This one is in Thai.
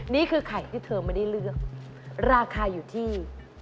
นี่คือไข่ที่เธอไม่ได้เลือกราคาอยู่ที่